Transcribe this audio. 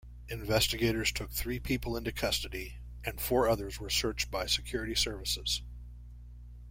Investigators took three people into custody and four others were searched by security services.